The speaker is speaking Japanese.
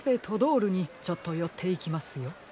トドールにちょっとよっていきますよ。